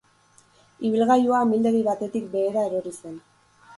Ibilgailua amildegi batetik behera erori zen.